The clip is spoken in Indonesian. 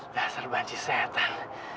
dasar banci setan